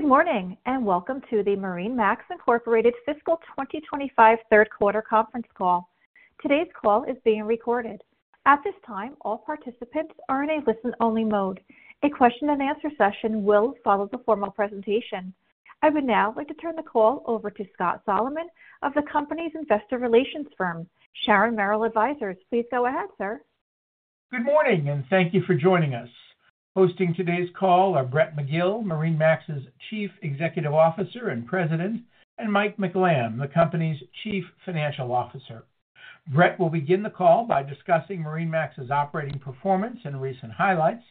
Good morning and welcome to the MarineMax Inc fiscal 2025 third quarter conference call. Today's call is being recorded. At this time, all participants are in a listen-only mode. A question and answer session will follow the formal presentation. I would now like to turn the call over to Scott Solomon of the company's investor relations firm, Sharon Merrill Advisors. Please go ahead, sir. Good morning and thank you for joining us. Hosting today's call are Brett McGill, MarineMax's Chief Executive Officer and President, and Mike McLamb, the company's Chief Financial Officer. Brett will begin the call by discussing MarineMax's operating performance and recent highlights.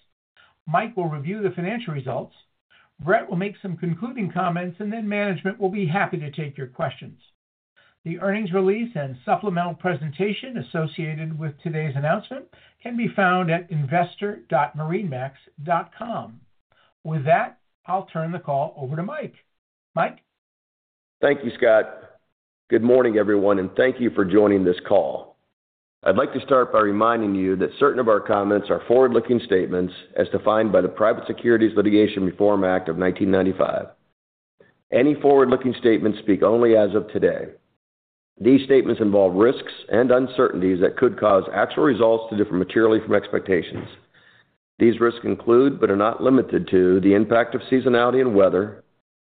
Mike will review the financial results. Brett will make some concluding comments, and then management will be happy to take your questions. The earnings release and supplemental presentation associated with today's announcement can be found at investor.marinemax.com. With that, I'll turn the call over to Mike. Mike? Thank you, Scott. Good morning, everyone, and thank you for joining this call. I'd like to start by reminding you that certain of our comments are forward-looking statements as defined by the Private Securities Litigation Reform Act of 1995. Any forward-looking statements speak only as of today. These statements involve risks and uncertainties that could cause actual results to differ materially from expectations. These risks include, but are not limited to, the impact of seasonality and weather,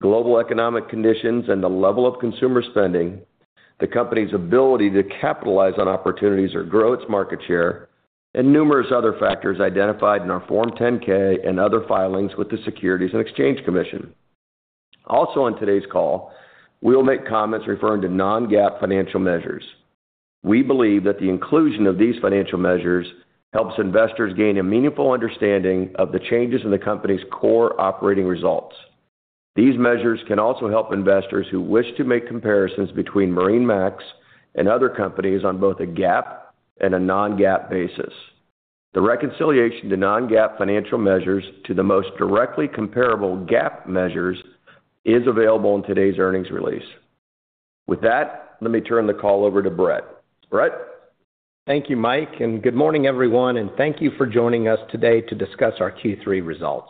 global economic conditions, and the level of consumer spending, the company's ability to capitalize on opportunities or grow its market share, and numerous other factors identified in our Form 10-K and other filings with the Securities and Exchange Commission. Also, on today's call, we will make comments referring to non-GAAP financial measures. We believe that the inclusion of these financial measures helps investors gain a meaningful understanding of the changes in the company's core operating results. These measures can also help investors who wish to make comparisons between MarineMax and other companies on both a GAAP and a non-GAAP basis. The reconciliation to non-GAAP financial measures to the most directly comparable GAAP measures is available in today's earnings release. With that, let me turn the call over to Brett. Brett? Thank you, Mike, and good morning, everyone, and thank you for joining us today to discuss our Q3 results.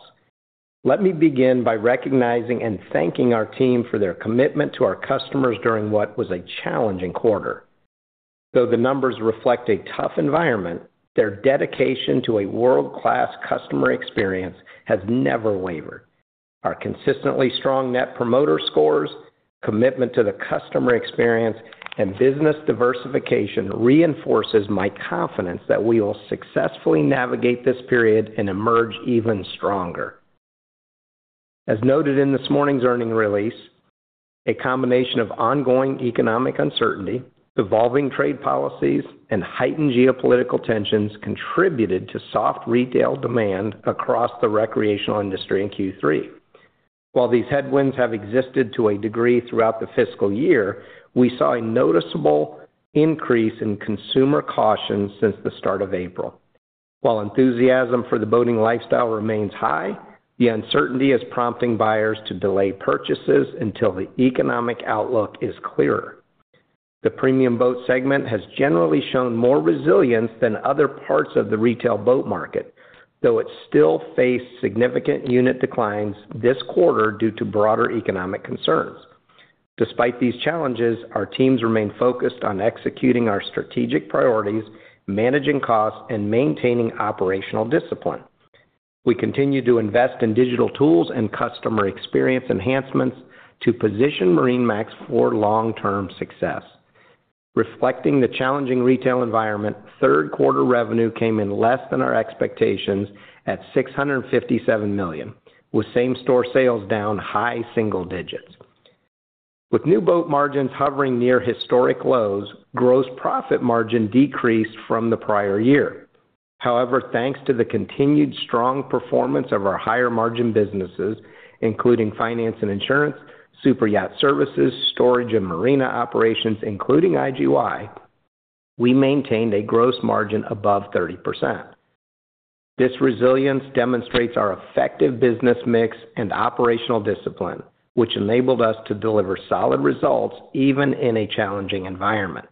Let me begin by recognizing and thanking our team for their commitment to our customers during what was a challenging quarter. Though the numbers reflect a tough environment, their dedication to a world-class customer experience has never wavered. Our consistently strong net promoter scores, commitment to the customer experience, and business diversification reinforce my confidence that we will successfully navigate this period and emerge even stronger. As noted in this morning's earnings release, a combination of ongoing economic uncertainty, evolving trade policies, and heightened geopolitical tensions contributed to soft retail demand across the recreational industry in Q3. While these headwinds have existed to a degree throughout the fiscal year, we saw a noticeable increase in consumer caution since the start of April. While enthusiasm for the boating lifestyle remains high, the uncertainty is prompting buyers to delay purchases until the economic outlook is clearer. The premium boat segment has generally shown more resilience than other parts of the retail boat market, though it still faced significant unit declines this quarter due to broader economic concerns. Despite these challenges, our teams remain focused on executing our strategic priorities, managing costs, and maintaining operational discipline. We continue to invest in digital tools and customer experience enhancements to position MarineMax for long-term success. Reflecting the challenging retail environment, third quarter revenue came in less than our expectations at $657 million, with same-store sales down high single digits. With new boat margins hovering near historic lows, gross profit margin decreased from the prior year. However, thanks to the continued strong performance of our higher margin businesses, including finance and insurance, superyacht services, storage, and marina operations, including IGY, we maintained a gross margin above 30%. This resilience demonstrates our effective business mix and operational discipline, which enabled us to deliver solid results even in a challenging environment.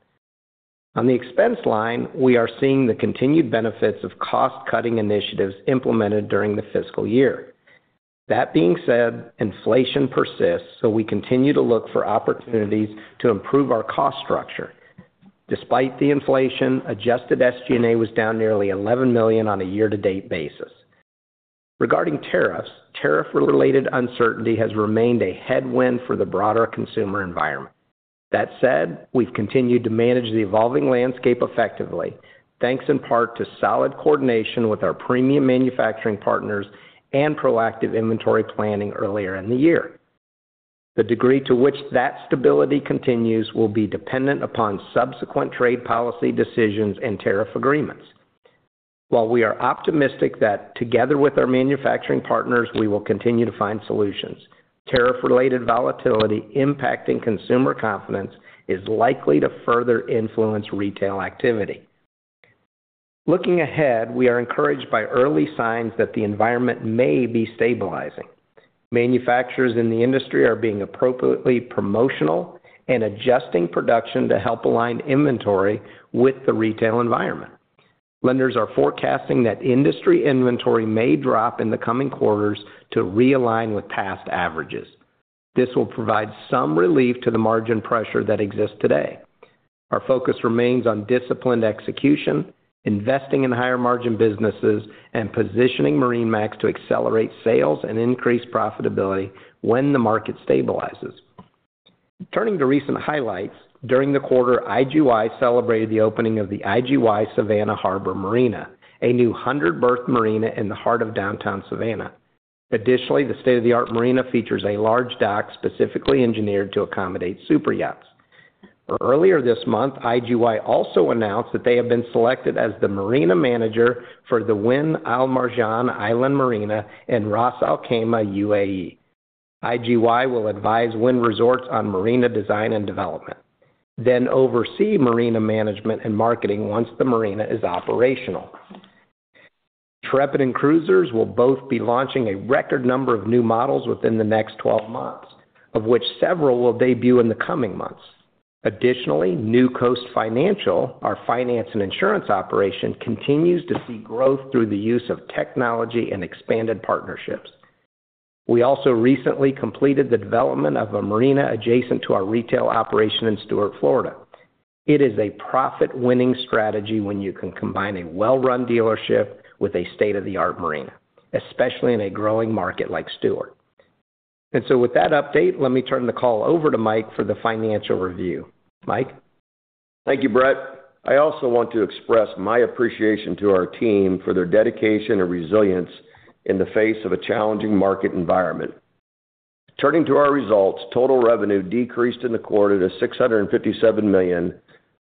On the expense line, we are seeing the continued benefits of cost-cutting initiatives implemented during the fiscal year. That being said, inflation persists, so we continue to look for opportunities to improve our cost structure. Despite the inflation, adjusted SG&A was down nearly $11 million on a year-to-date basis. Regarding tariffs, tariff-related uncertainty has remained a headwind for the broader consumer environment. That said, we've continued to manage the evolving landscape effectively, thanks in part to solid coordination with our premium manufacturing partners and proactive inventory planning earlier in the year. The degree to which that stability continues will be dependent upon subsequent trade policy decisions and tariff agreements. While we are optimistic that, together with our manufacturing partners, we will continue to find solutions, tariff-related volatility impacting consumer confidence is likely to further influence retail activity. Looking ahead, we are encouraged by early signs that the environment may be stabilizing. Manufacturers in the industry are being appropriately promotional and adjusting production to help align inventory with the retail environment. Lenders are forecasting that industry inventory may drop in the coming quarters to realign with past averages. This will provide some relief to the margin pressure that exists today. Our focus remains on disciplined execution, investing in higher margin businesses, and positioning MarineMax to accelerate sales and increase profitability when the market stabilizes. Turning to recent highlights, during the quarter, IGY celebrated the opening of the IGY Savannah Harbor Marina, a new 100-berth marina in the heart of downtown Savannah. Additionally, the state-of-the-art marina features a large dock specifically engineered to accommodate superyachts. Earlier this month, IGY also announced that they have been selected as the Marina Manager for the Wynn Al Marjan Island Marina in Ras Al Khaimah, UAE. IGY will advise Wynn Resorts on marina design and development, then oversee marina management and marketing once the marina is operational. Intrepid and Cruisers will both be launching a record number of new models within the next 12 months, of which several will debut in the coming months. Additionally, New Coast Financial, our finance and insurance operation, continues to see growth through the use of technology and expanded partnerships. We also recently completed the development of a marina adjacent to our retail operation in Stuart, Florida. It is a profit-winning strategy when you can combine a well-run dealership with a state-of-the-art marina, especially in a growing market like Stuart. With that update, let me turn the call over to Mike for the financial review. Mike? Thank you, Brett. I also want to express my appreciation to our team for their dedication and resilience in the face of a challenging market environment. Turning to our results, total revenue decreased in the quarter to $657 million,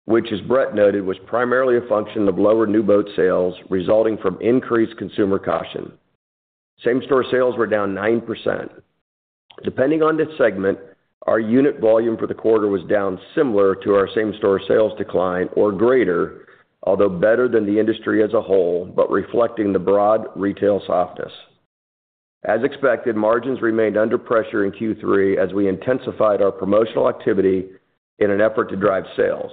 which, as Brett noted, was primarily a function of lower new boat sales resulting from increased consumer caution. Same-store sales were down 9%. Depending on this segment, our unit volume for the quarter was down similar to our same-store sales decline or greater, although better than the industry as a whole, reflecting the broad retail softness. As expected, margins remained under pressure in Q3 as we intensified our promotional activity in an effort to drive sales.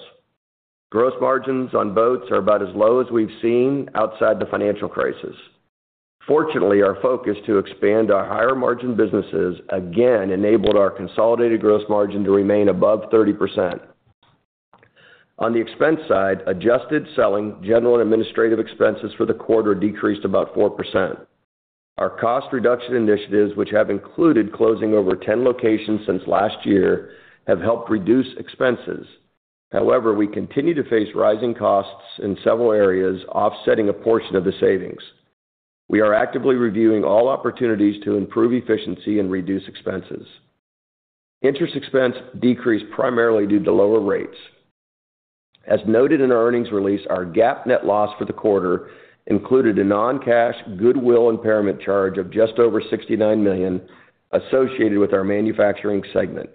Gross margins on boats are about as low as we've seen outside the financial crisis. Fortunately, our focus to expand our higher margin businesses again enabled our consolidated gross margin to remain above 30%. On the expense side, adjusted selling, general and administrative expenses for the quarter decreased about 4%. Our cost reduction initiatives, which have included closing over 10 locations since last year, have helped reduce expenses. However, we continue to face rising costs in several areas, offsetting a portion of the savings. We are actively reviewing all opportunities to improve efficiency and reduce expenses. Interest expense decreased primarily due to lower rates. As noted in our earnings release, our GAAP net loss for the quarter included a non-cash goodwill impairment charge of just over $69 million associated with our manufacturing segment.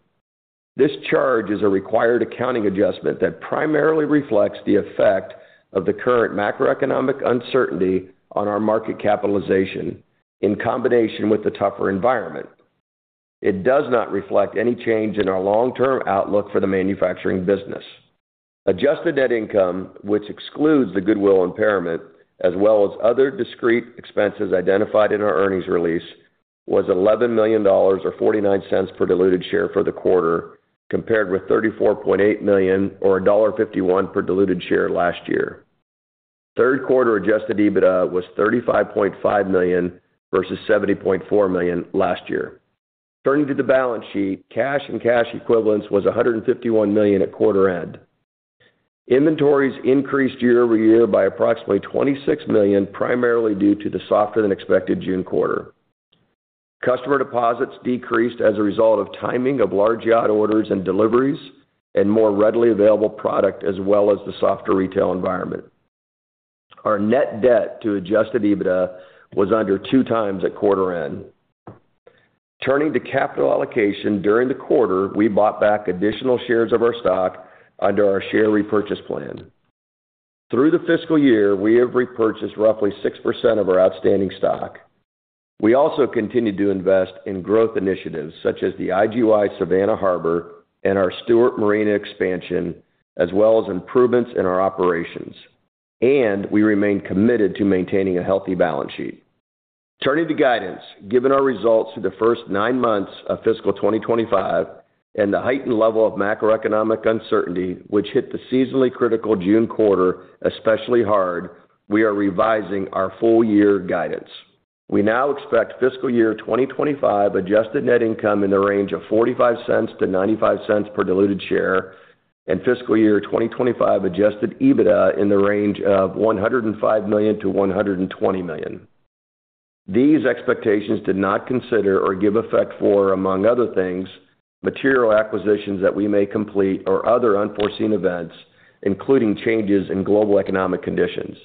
This charge is a required accounting adjustment that primarily reflects the effect of the current macroeconomic uncertainty on our market capitalization in combination with the tougher environment. It does not reflect any change in our long-term outlook for the manufacturing business. Adjusted net income, which excludes the goodwill impairment as well as other discrete expenses identified in our earnings release, was $11 million or $0.49 per diluted share for the quarter, compared with $34.8 million or $1.51 per diluted share last year. Third quarter adjusted EBITDA was $35.5 million versus $70.4 million last year. Turning to the balance sheet, cash and cash equivalents was $151 million at quarter end. Inventories increased year-over-year by approximately $26 million, primarily due to the softer than expected June quarter. Customer deposits decreased as a result of timing of large yacht orders and deliveries and more readily available product, as well as the softer retail environment. Our net debt to adjusted EBITDA was under two times at quarter end. Turning to capital allocation during the quarter, we bought back additional shares of our stock under our share repurchase plan. Through the fiscal year, we have repurchased roughly 6% of our outstanding stock. We also continue to invest in growth initiatives such as the IGY Savannah Harbor and our Stuart Marina expansion, as well as improvements in our operations. We remain committed to maintaining a healthy balance sheet. Turning to guidance, given our results in the first nine months of fiscal 2025 and the heightened level of macroeconomic uncertainty, which hit the seasonally critical June quarter especially hard, we are revising our full-year guidance. We now expect fiscal year 2025 adjusted net income in the range of $0.45-$0.95 per diluted share and fiscal year 2025 adjusted EBITDA in the range of $105 million-$120 million. These expectations did not consider or give effect for, among other things, material acquisitions that we may complete or other unforeseen events, including changes in global economic conditions.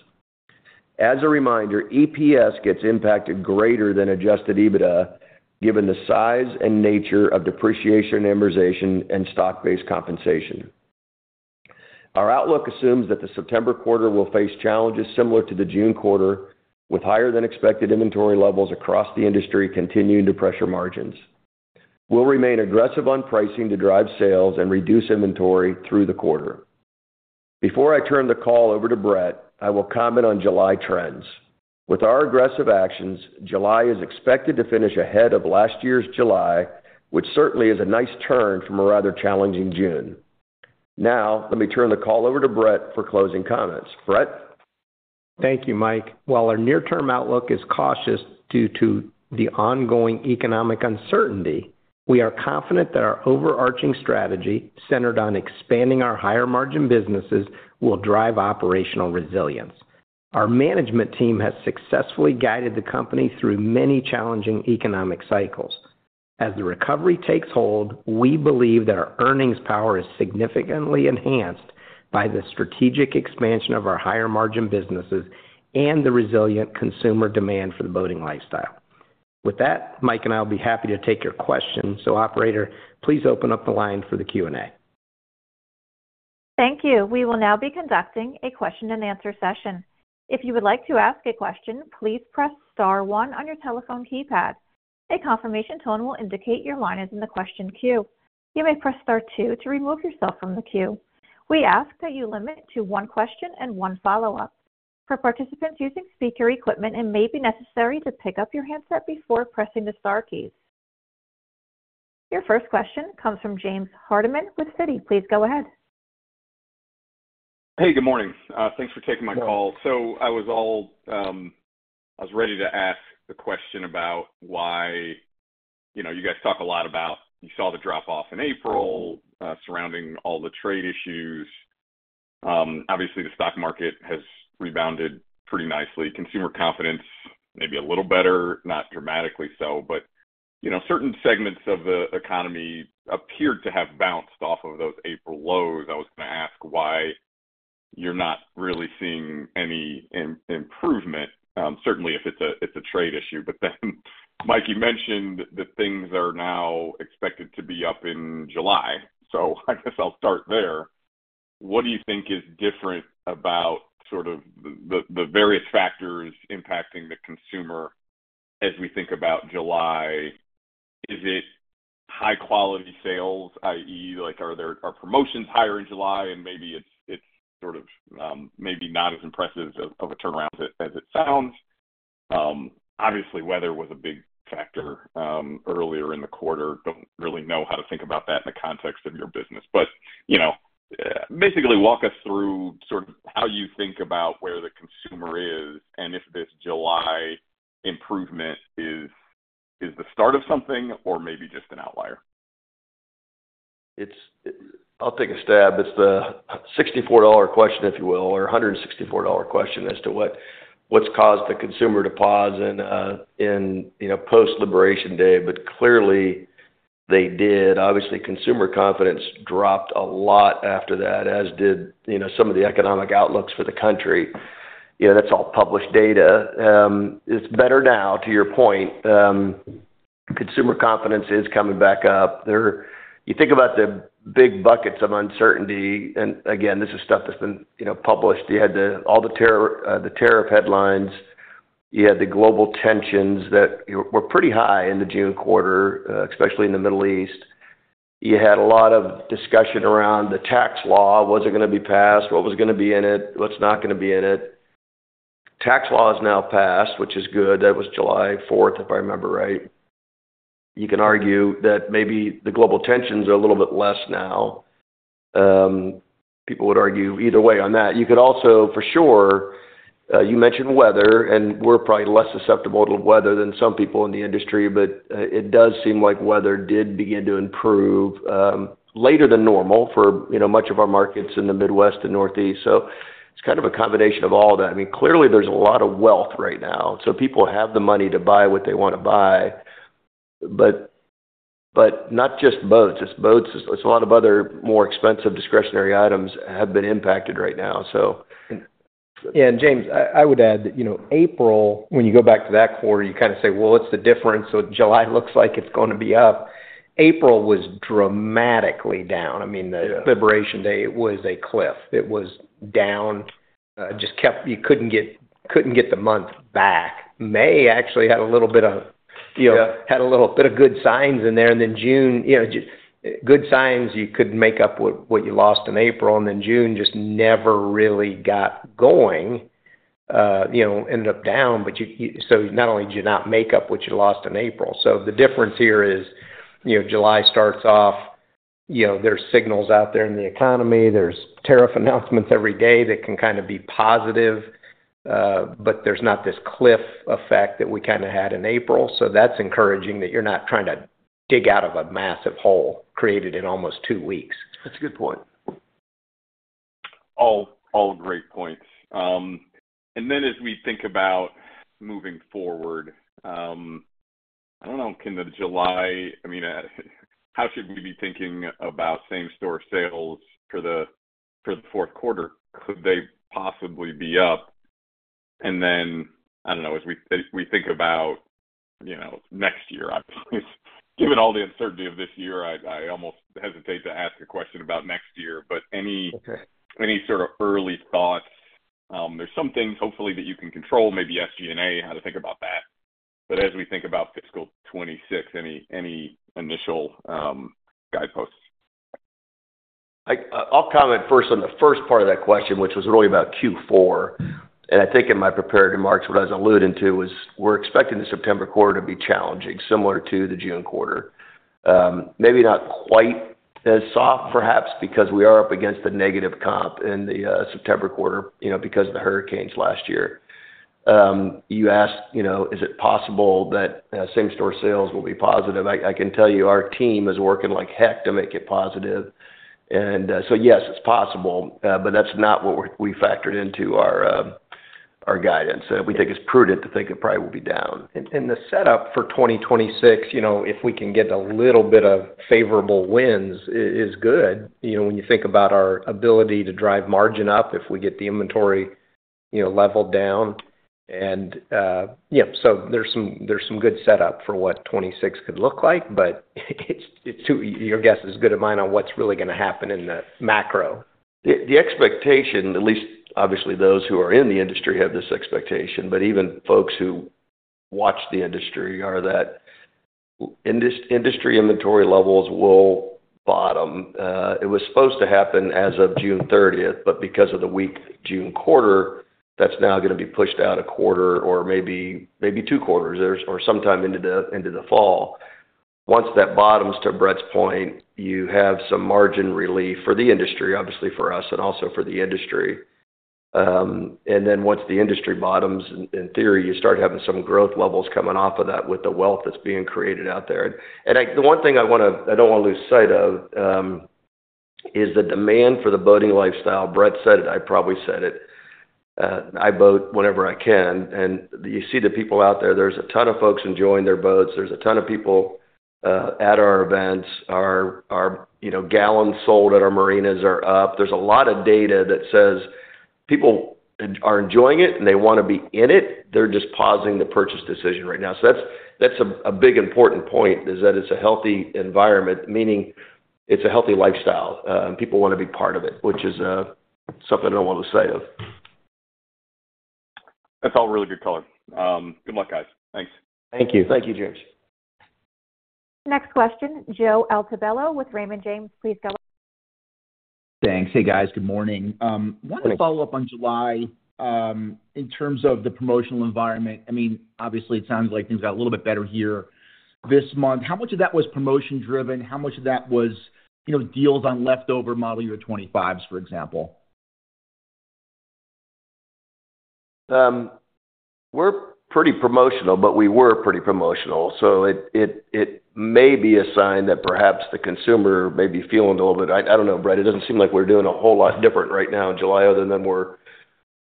As a reminder, EPS gets impacted greater than adjusted EBITDA given the size and nature of depreciation, amortization, and stock-based compensation. Our outlook assumes that the September quarter will face challenges similar to the June quarter, with higher than expected inventory levels across the industry continuing to pressure margins. We'll remain aggressive on pricing to drive sales and reduce inventory through the quarter. Before I turn the call over to Brett, I will comment on July trends. With our aggressive actions, July is expected to finish ahead of last year's July, which certainly is a nice turn from a rather challenging June. Now, let me turn the call over to Brett for closing comments. Brett? Thank you, Mike. While our near-term outlook is cautious due to the ongoing economic uncertainty, we are confident that our overarching strategy, centered on expanding our higher margin businesses, will drive operational resilience. Our management team has successfully guided the company through many challenging economic cycles. As the recovery takes hold, we believe that our earnings power is significantly enhanced by the strategic expansion of our higher margin businesses and the resilient consumer demand for the boating lifestyle. With that, Mike and I will be happy to take your questions, so operator, please open up the line for the Q&A. Thank you. We will now be conducting a question and answer session. If you would like to ask a question, please press star one on your telephone keypad. A confirmation tone will indicate your line is in the question queue. You may press star two to remove yourself from the queue. We ask that you limit to one question and one follow-up. For participants using speaker equipment, it may be necessary to pick up your headset before pressing the star keys. Your first question comes from James Hardiman with Citi. Please go ahead. Hey, good morning. Thanks for taking my call. I was ready to ask the question about why, you know, you guys talk a lot about you saw the drop-off in April surrounding all the trade issues. Obviously, the stock market has rebounded pretty nicely. Consumer confidence may be a little better, not dramatically so, but you know, certain segments of the economy appeared to have bounced off of those April lows. I was going to ask why you're not really seeing any improvement. Certainly, if it's a trade issue, but then Mike, you mentioned that things are now expected to be up in July. I guess I'll start there. What do you think is different about sort of the various factors impacting the consumer as we think about July? Is it high-quality sales, i.e., like are there promotions higher in July and maybe it's sort of maybe not as impressive of a turnaround as it sounds? Obviously, weather was a big factor earlier in the quarter. Don't really know how to think about that in the context of your business, but you know, basically walk us through sort of how you think about where the consumer is and if this July improvement is the start of something or maybe just an outlier. I'll take a stab. It's the $64 question, if you will, or $164 question as to what's caused the consumer to pause in, you know, post-Liberation Day, but clearly they did. Obviously, consumer confidence dropped a lot after that, as did, you know, some of the economic outlooks for the country. You know, that's all published data. It's better now, to your point. Consumer confidence is coming back up. You think about the big buckets of uncertainty, and again, this is stuff that's been, you know, published. You had all the tariff headlines. You had the global tensions that were pretty high in the June quarter, especially in the Middle East. You had a lot of discussion around the tax law. Was it going to be passed? What was going to be in it? What's not going to be in it? Tax law is now passed, which is good. That was July 4th, if I remember right. You can argue that maybe the global tensions are a little bit less now. People would argue either way on that. You could also, for sure, you mentioned weather, and we're probably less susceptible to weather than some people in the industry, but it does seem like weather did begin to improve later than normal for, you know, much of our markets in the Midwest and Northeast. It's kind of a combination of all that. I mean, clearly there's a lot of wealth right now. People have the money to buy what they want to buy, but not just boats. It's boats. It's a lot of other more expensive discretionary items have been impacted right now. Yeah, and James, I would add that, you know, April, when you go back to that quarter, you kind of say, what's the difference? July looks like it's going to be up. April was dramatically down. The Liberation Day was a cliff. It was down. It just kept, you couldn't get, couldn't get the month back. May actually had a little bit of, you know, had a little bit of good signs in there. June, you know, good signs you could make up what you lost in April. June just never really got going, you know, ended up down. Not only did you not make up what you lost in April, the difference here is July starts off, you know, there's signals out there in the economy. There's tariff announcements every day that can kind of be positive, but there's not this cliff effect that we kind of had in April. That's encouraging that you're not trying to dig out of a massive hole created in almost two weeks. That's a good point. All great points. As we think about moving forward, I don't know, can the July, I mean, how should we be thinking about same-store sales for the fourth quarter? Could they possibly be up? As we think about next year, I'm just given all the uncertainty of this year, I almost hesitate to ask a question about next year, but any sort of early thoughts? There's some things hopefully that you can control, maybe SG&A, how to think about that. As we think about fiscal 2026, any initial guideposts? I'll comment first on the first part of that question, which was really about Q4. I think in my prepared remarks, what I was alluding to was we're expecting the September quarter to be challenging, similar to the June quarter. Maybe not quite as soft, perhaps, because we are up against a negative comp in the September quarter, you know, because of the hurricanes last year. You asked, you know, is it possible that same-store sales will be positive? I can tell you our team is working like heck to make it positive. Yes, it's possible, but that's not what we factored into our guidance. We think it's prudent to think it probably will be down. The setup for 2026, if we can get a little bit of favorable winds, is good. When you think about our ability to drive margin up, if we get the inventory leveled down, there's some good setup for what 2026 could look like, but it's too, your guess is as good as mine on what's really going to happen in the macro. The expectation, at least obviously those who are in the industry have this expectation, but even folks who watch the industry are that industry inventory levels will bottom. It was supposed to happen as of June 30th, but because of the weak June quarter, that's now going to be pushed out a quarter or maybe two quarters or sometime into the fall. Once that bottoms, to Brett's point, you have some margin relief for the industry, obviously for us and also for the industry. Once the industry bottoms, in theory, you start having some growth levels coming off of that with the wealth that's being created out there. The one thing I want to, I don't want to lose sight of is the demand for the boating lifestyle. Brett said it, I probably said it. I boat whenever I can. You see the people out there, there's a ton of folks enjoying their boats. There's a ton of people at our events. Our, you know, gallons sold at our marinas are up. There's a lot of data that says people are enjoying it and they want to be in it. They're just pausing the purchase decision right now. That's a big important point is that it's a healthy environment, meaning it's a healthy lifestyle. People want to be part of it, which is something I don't want to lose sight of. That's all really good color. Good luck, guys. Thanks. Thank you. Thank you, James. Next question, Joe Altobello with Raymond James, please go ahead. Thanks. Hey guys, good morning. I wanted to follow up on July in terms of the promotional environment. Obviously, it sounds like things got a little bit better here this month. How much of that was promotion-driven? How much of that was, you know, deals on leftover model year 25s, for example? We're pretty promotional, but we were pretty promotional. It may be a sign that perhaps the consumer may be feeling a little bit, I don't know, Brett, it doesn't seem like we're doing a whole lot different right now in July other than we're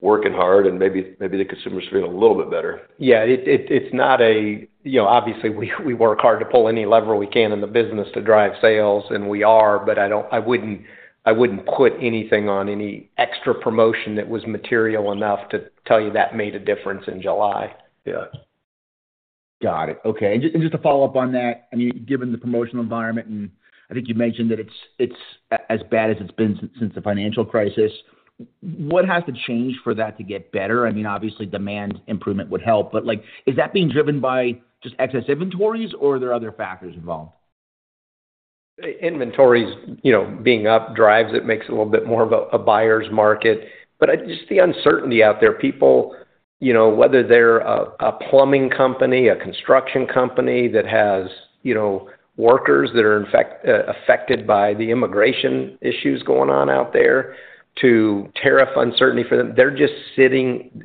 working hard and maybe the consumer's feeling a little bit better. Yeah, it's not a, you know, obviously we work hard to pull any lever we can in the business to drive sales, and we are, but I wouldn't put anything on any extra promotion that was material enough to tell you that made a difference in July. Yeah. Got it. Okay. Just to follow up on that, I mean, given the promotional environment, and I think you mentioned that it's as bad as it's been since the financial crisis, what has to change for that to get better? I mean, obviously, demand improvement would help, but is that being driven by just excess inventories or are there other factors involved? Inventories, you know, being up drives it, makes it a little bit more of a buyer's market. Just the uncertainty out there, people, you know, whether they're a plumbing company, a construction company that has, you know, workers that are in fact affected by the immigration issues going on out there, to tariff uncertainty for them, they're just sitting.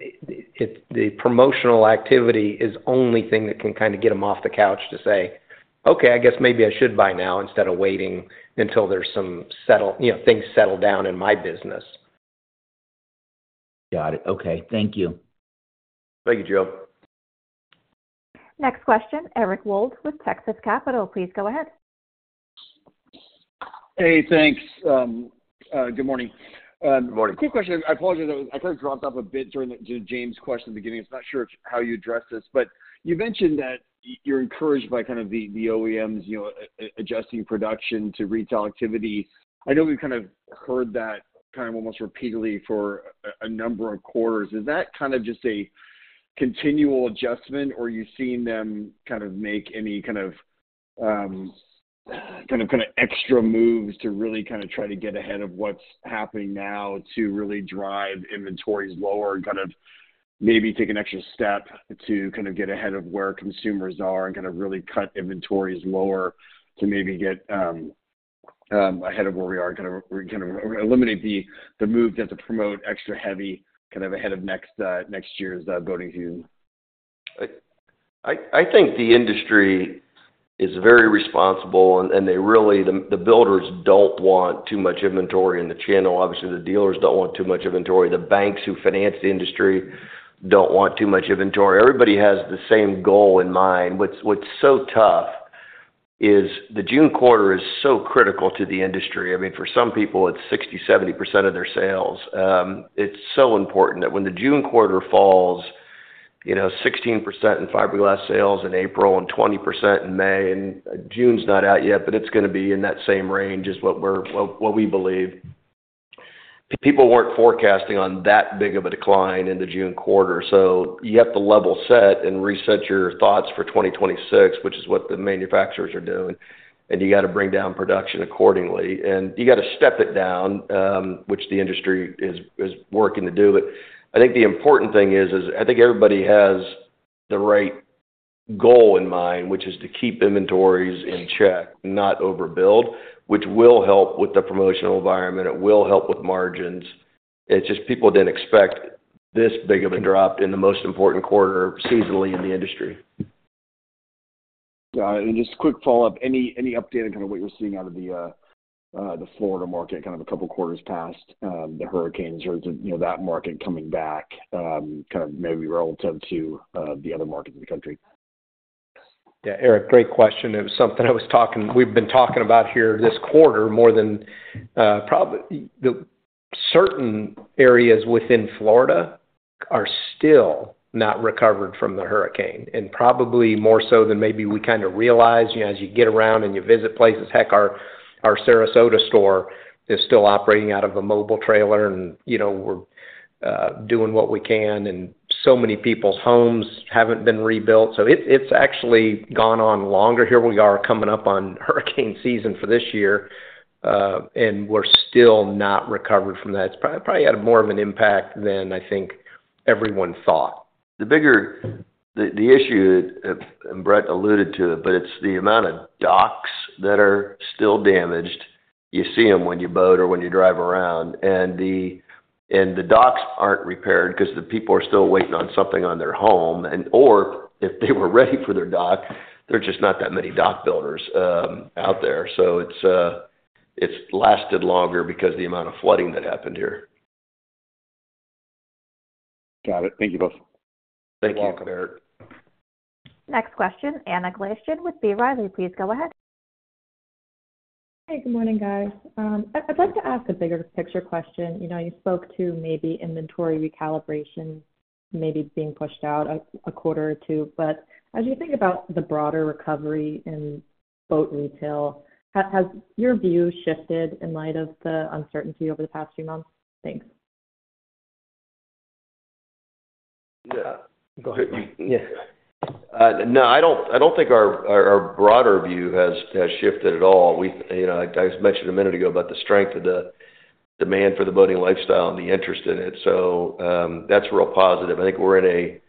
The promotional activity is the only thing that can kind of get them off the couch to say, okay, I guess maybe I should buy now instead of waiting until there's some, you know, things settle down in my business. Got it. Okay. Thank you. Thank you, Joe. Next question, Eric Wold with Texas Capital Securities, please go ahead. Hey, thanks. Good morning. Good morning. Quick question. I apologize. I kind of dropped off a bit during the James question at the beginning. I'm not sure how you addressed this, but you mentioned that you're encouraged by kind of the OEMs, you know, adjusting production to retail activity. I know we've kind of heard that kind of almost repeatedly for a number of quarters. Is that kind of just a continual adjustment, or are you seeing them kind of make any kind of extra moves to really try to get ahead of what's happening now to really drive inventories lower and kind of maybe take an extra step to kind of get ahead of where consumers are and kind of really cut inventories lower to maybe get ahead of where we are and kind of eliminate the move to promote extra heavy kind of ahead of next year's boating season. I think the industry is very responsible, and they really, the builders don't want too much inventory in the channel. Obviously, the dealers don't want too much inventory. The banks who finance the industry don't want too much inventory. Everybody has the same goal in mind. What's so tough is the June quarter is so critical to the industry. I mean, for some people, it's 60%-70% of their sales. It's so important that when the June quarter falls, you know, 16% in fiberglass sales in April and 20% in May, and June's not out yet, but it's going to be in that same range is what we believe. People weren't forecasting on that big of a decline in the June quarter. You have to level set and reset your thoughts for 2026, which is what the manufacturers are doing. You have to bring down production accordingly, and you have to step it down, which the industry is working to do. I think the important thing is, I think everybody has the right goal in mind, which is to keep inventories in check, not overbuild, which will help with the promotional environment. It will help with margins. People didn't expect this big of a drop in the most important quarter seasonally in the industry. Got it. Just a quick follow-up. Any update on what you're seeing out of the Florida market a couple of quarters past the hurricanes? Is that market coming back, maybe relative to the other markets in the country? Yeah, Eric, great question. It was something I was talking about, we've been talking about here this quarter more than probably the certain areas within Florida are still not recovered from the hurricane. Probably more so than maybe we kind of realized, you know, as you get around and you visit places. [Heck], our Sarasota store is still operating out of a mobile trailer, and we're doing what we can, and so many people's homes haven't been rebuilt. It's actually gone on longer. Here we are coming up on hurricane season for this year, and we're still not recovered from that. It's probably had more of an impact than I think everyone thought. The bigger issue that Brett alluded to is the amount of docks that are still damaged. You see them when you boat or when you drive around. The docks aren't repaired because the people are still waiting on something on their home, or if they were ready for their dock, there's just not that many dock builders out there. It's lasted longer because of the amount of flooding that happened here. Got it. Thank you both. Thank you. You're welcome Eric. Next question, Anna Glaessgen with B. Riley, please go ahead. Hey, good morning, guys. I'd like to ask a bigger picture question. You spoke to maybe inventory recalibration, maybe being pushed out a quarter or two, but as you think about the broader recovery in boat retail, has your view shifted in light of the uncertainty over the past few months? Thanks. Yeah. Go ahead. Yeah. No, I don't think our broader view has shifted at all. I mentioned a minute ago about the strength of the demand for the boating lifestyle and the interest in it. That's a real positive. I think we're in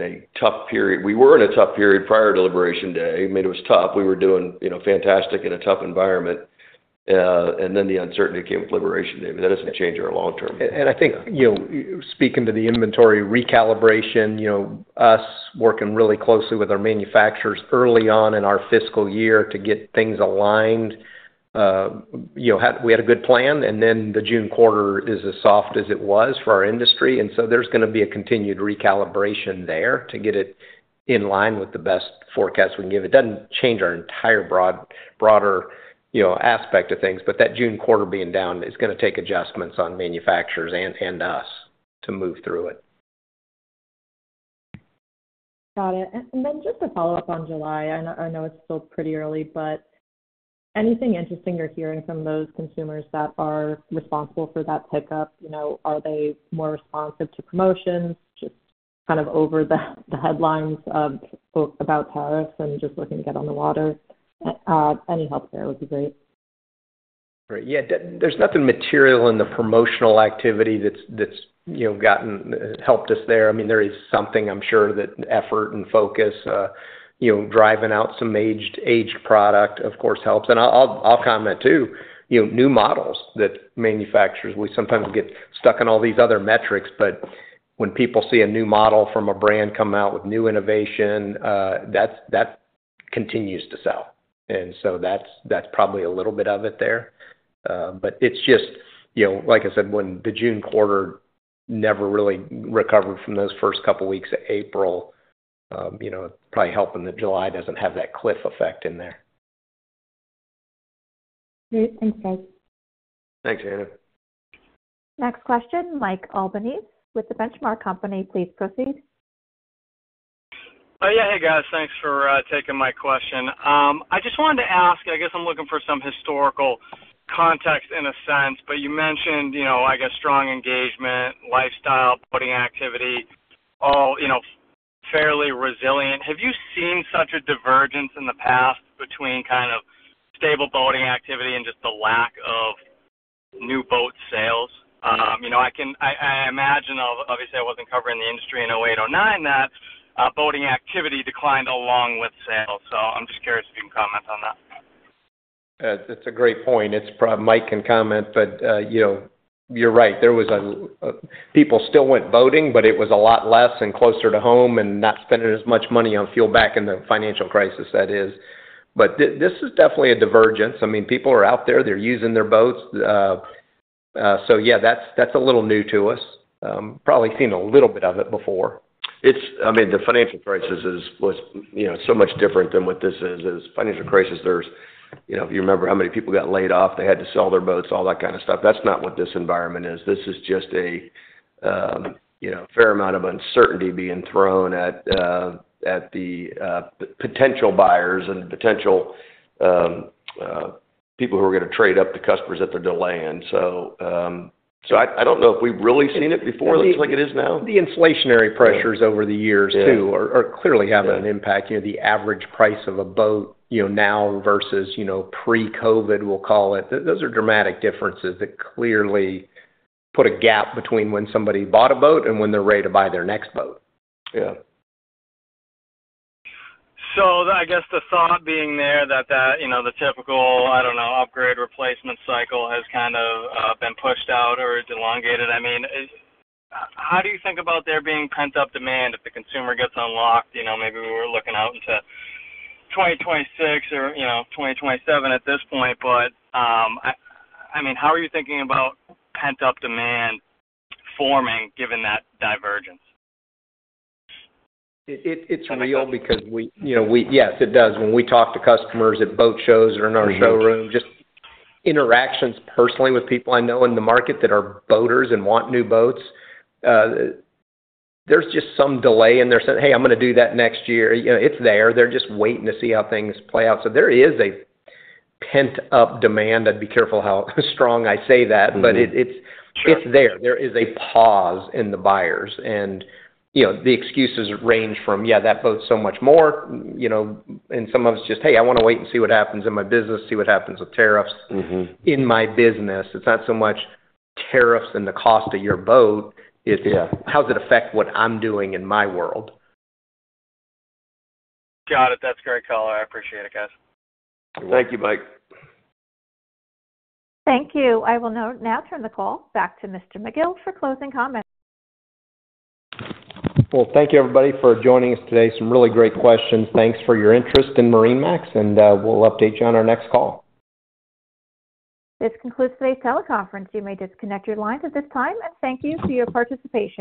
a tough period. We were in a tough period prior to Liberation Day. It was tough. We were doing fantastic in a tough environment. The uncertainty came with Liberation Day. That doesn't change our long-term views. I think, you know, speaking to the inventory recalibration, you know, us working really closely with our manufacturers early on in our fiscal year to get things aligned. We had a good plan, and the June quarter is as soft as it was for our industry. There is going to be a continued recalibration there to get it in line with the best forecast we can give. It doesn't change our entire broader, you know, aspect of things, but that June quarter being down is going to take adjustments on manufacturers and us to move through it. Got it. Just to follow up on July, I know it's still pretty early, but anything interesting you're hearing from those consumers that are responsible for that pickup? Are they more responsive to promotions, just kind of over the headlines about tariffs and just looking to get on the water? Any help there would be great. Great. Yeah, there's nothing material in the promotional activity that's gotten helped us there. I mean, there is something, I'm sure that effort and focus driving out some aged product, of course, helps. I'll comment too, new models that manufacturers, we sometimes get stuck in all these other metrics, but when people see a new model from a brand come out with new innovation, that continues to sell. That's probably a little bit of it there. It's just, like I said, when the June quarter never really recovered from those first couple of weeks of April, probably helping that July doesn't have that cliff effect in there. Great. Thanks, guys. Thanks, Anna. Next question, Mike Albanese with The Benchmark Company, please proceed. Yeah, hey guys, thanks for taking my question. I just wanted to ask, I guess I'm looking for some historical context in a sense, but you mentioned, you know, I guess strong engagement, lifestyle, boating activity, all, you know, fairly resilient. Have you seen such a divergence in the past between kind of stable boating activity and just the lack of new boat sales? I imagine, obviously, I wasn't covering the industry in a way to know that boating activity declined along with sales. I'm just curious if you can comment on that. That's a great point. It's probably Mike can comment, but you're right. People still went boating, but it was a lot less and closer to home and not spending as much money on fuel back in the financial crisis, that is. This is definitely a divergence. People are out there, they're using their boats. Yeah, that's a little new to us. Probably seen a little bit of it before. The financial crisis was so much different than what this is. It was a financial crisis. If you remember how many people got laid off, they had to sell their boats, all that kind of stuff. That's not what this environment is. This is just a fair amount of uncertainty being thrown at the potential buyers and the potential people who are going to trade up, the customers that they're delaying. I don't know if we've really seen it before. It looks like it is now. The inflationary pressures over the years are clearly having an impact. The average price of a boat now versus pre-COVID, we'll call it, are dramatic differences that clearly put a gap between when somebody bought a boat and when they're ready to buy their next boat. Yeah. I guess the thought being there that, you know, the typical, I don't know, upgrade, replacement cycle has kind of been pushed out or it's elongated. I mean, how do you think about there being pent-up demand if the consumer gets unlocked? You know, maybe we were looking out into 2026 or, you know, 2027 at this point, but I mean, how are you thinking about pent-up demand forming given that divergence? It's real because we, yes, it does. When we talk to customers at boat shows or in our showroom, just interactions personally with people I know in the market that are boaters and want new boats, there's just some delay in their saying, "Hey, I'm going to do that next year." It's there. They're just waiting to see how things play out. There is a pent-up demand. I'd be careful how strong I say that, but it's there. There is a pause in the buyers. The excuses range from, "Yeah, that boat's so much more." Some of it's just, "Hey, I want to wait and see what happens in my business, see what happens with tariffs in my business." It's not so much tariffs and the cost of your boat. It's, "How does it affect what I'm doing in my world? Got it. That's a great call. I appreciate it, guys. Thank you, Mike. Thank you. I will now turn the call back to Mr. McGill for closing comments. Thank you, everybody, for joining us today. Some really great questions. Thanks for your interest in MarineMax, and we'll update you on our next call. This concludes today's teleconference. You may disconnect your lines at this time, and thank you for your participation.